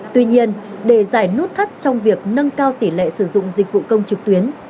tuy nhiên để giải nút thắt trong việc nâng cao tỷ lệ sử dụng dịch vụ công trực tuyến